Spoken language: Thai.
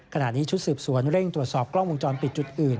ขณะนี้ชุดสืบสวนเร่งตรวจสอบกล้องวงจรปิดจุดอื่น